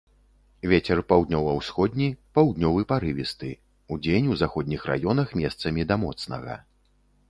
Вецер паўднёва-ўсходні, паўднёвы парывісты, удзень у заходніх раёнах месцамі да моцнага.